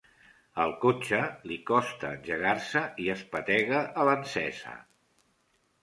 Al cotxe li costa engegar-se i espetega a l'encesa.